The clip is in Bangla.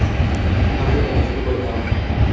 থামলে কেন, শুরু করে দাও।